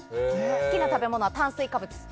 好きな食べ物は炭水化物。